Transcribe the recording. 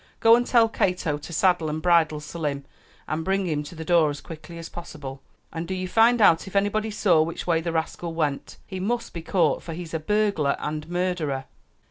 "Go and tell Cato to saddle and bridle Selim and bring him to the door as quickly as possible; and do you find out if anybody saw which way the rascal went. He must be caught, for he's a burglar and murderer!"